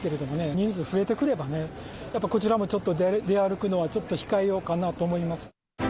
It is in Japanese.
人数増えてくればね、やっぱこちらも出歩くのはちょっと控えようかなと思います。